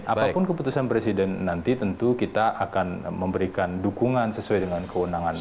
apapun keputusan presiden nanti tentu kita akan memberikan dukungan sesuai dengan kewenangan